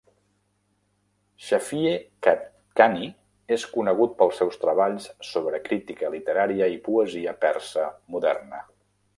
Shafiei-Kadkani és conegut pels seus treballs sobre crítica literària i poesia persa moderna.